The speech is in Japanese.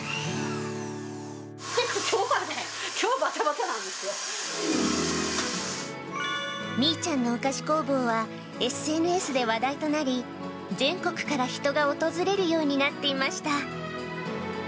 ちょっときょうはね、みいちゃんのお菓子工房は、ＳＮＳで話題となり、全国から人が訪れるようになっていました。